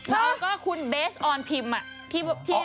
แล้วก็คุณเบสออนพิมพ์